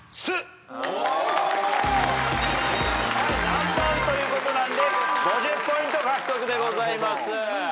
難問ということなんで５０ポイント獲得でございます。